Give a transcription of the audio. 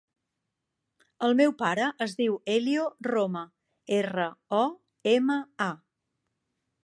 El meu pare es diu Elio Roma: erra, o, ema, a.